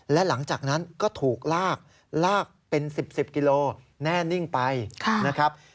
และหลังจากนั้นก็ถูกลากลากเป็น๑๐๑๐กิโลแน่นิ่งไปนะครับ